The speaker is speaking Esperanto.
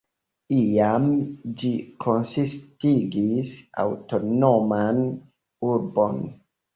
Iam ĝi konsistigis aŭtonoman urbon.